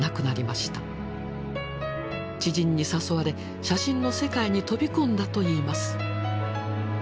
知人に誘われ写真の世界に飛び込んだといいます。